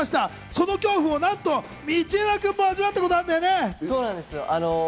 その恐怖を道枝君も味わったことがあるんですよね。